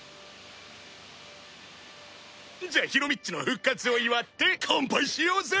じゃあヒロミっちの復活を祝って乾杯しようぜ！